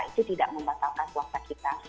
itu tidak membatalkan puasa kita